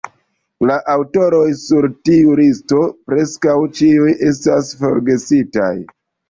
La aŭtoroj sur tiu listo preskaŭ ĉiuj estas forgesitaj.